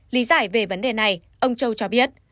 lý giải về vấn đề này ông châu cho biết